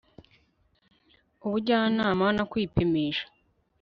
ubujyanama no kwipimisha